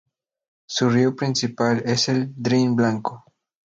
Su río principal es el Drin Blanco.